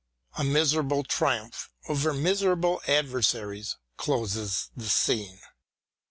A miserable triumph over miserable adver saries closes the scene.